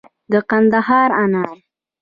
د کندهار انار